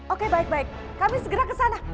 oke baik baik kami segera kesana